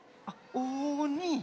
あっおに？